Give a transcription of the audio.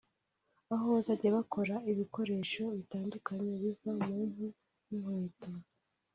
aho bazajya bakora ibikoresho bitandukanye biva mu mpu nk’inkweto